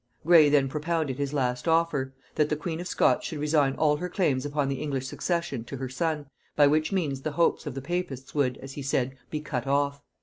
Gray then propounded his last offer: that the queen of Scots should resign all her claims upon the English succession to her son, by which means the hopes of the papists would, as he said, be cut off.